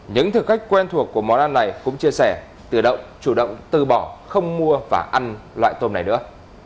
những thử thách quen thuộc của món ăn này cũng chia sẻ tự động chủ động tư bỏ không mua và ăn loại tôm này nữa